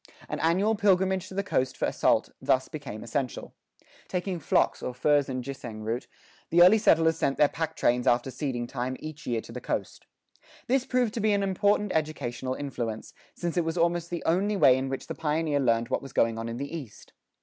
An annual pilgrimage to the coast for salt thus became essential. Taking flocks or furs and ginseng root, the early settlers sent their pack trains after seeding time each year to the coast.[17:4] This proved to be an important educational influence, since it was almost the only way in which the pioneer learned what was going on in the East.